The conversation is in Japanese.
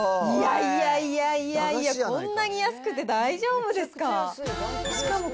いやいやいやいや、こんなに安くて大丈夫ですか？